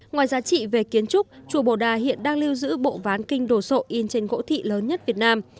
ngoài giá trị về kiến trúc chùa bồ đà hiện đang lưu giữ bộ ván kinh đồ sộ in trên gỗ thị lớn nhất việt nam